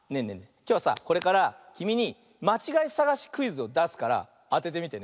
きょうはさこれからきみにまちがいさがしクイズをだすからあててみてね。